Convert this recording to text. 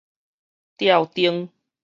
吊燈